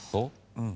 うん。